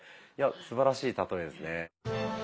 いやすばらしいたとえですね。